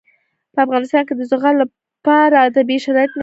په افغانستان کې د زغال لپاره طبیعي شرایط مناسب دي.